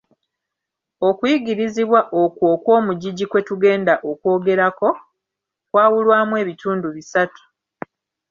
Okuyigirizibwa okwo okw'omugigi kwe tugenda okwogerako, kwawulwamu ebitundu bisatu.